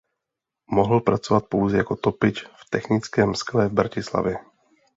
Mohl pracovat pouze jako topič v Technickém skle v Bratislavě.